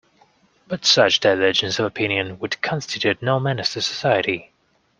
But such divergence of opinion would constitute no menace to society.